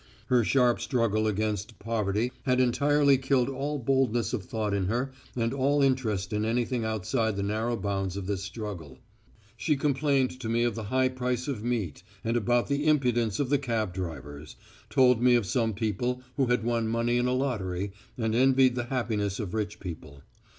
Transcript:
Her sharp struggle against poverty had entirely killed all boldness of thought in her and all interest in anything outside the narrow bounds of this struggle. She complained to me of the high price of meat, and about the impudence of the cab drivers; told me of some people who had won money in a lottery, and envied the happiness of rich people.